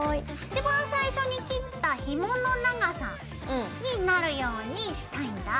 一番最初に切ったひもの長さになるようにしたいんだ。